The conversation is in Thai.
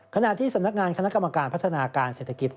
ขณะที่สำนักงานคณะกรรมการพัฒนาการเศรษฐกิจ